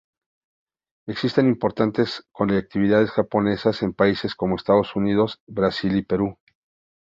Existen importantes colectividades japonesas en países cómo Estados Unidos, Brasil y Perú.